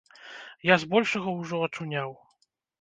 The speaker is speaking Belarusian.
Я збольшага ўжо ачуняў.